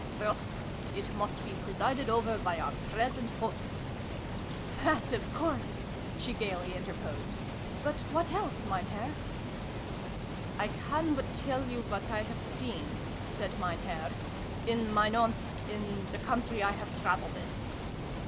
" First, it must be presided over by our present hostess !" "That, of course!" she gaily interposed. " But what else, Mein Herr ?"" I can but tell you what I have seen," said Mein Herr, "in mine own in the country I have traveled in."